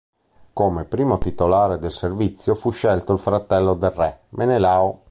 Come primo titolare del servizio fu scelto il fratello del re, Menelao.